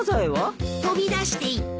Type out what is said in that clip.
飛び出していった。